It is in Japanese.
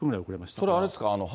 それはあれですか？